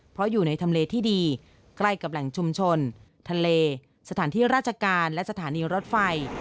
เพราะอยู่ในทำเลที่ดีใกล้กับแหล่งชุมชนทะเลสถานที่ราชการและสถานีรถไฟ